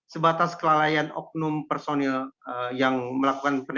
sebatas kelalaian oknum personil yang melakukan peneliti